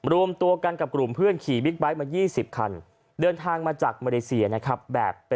รวมตัวกันกับกลุ่มเพื่อนขี่บิ๊กไบท์มา๒๐คันเดินทางมาจากมาเลเซียนะครับ